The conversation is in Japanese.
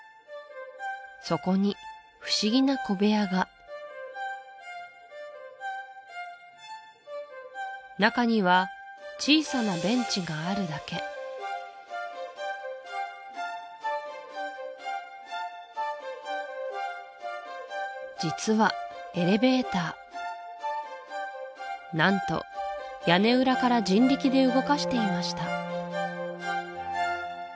そこに不思議な小部屋が中には小さなベンチがあるだけ実はエレベーター何と屋根裏から人力で動かしていました